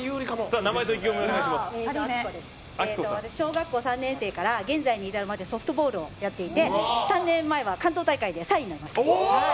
小学校３年生から現在に至るまでソフトボールをやっていて３年前は関東大会で３位になりました。